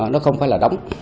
nó không phải là đóng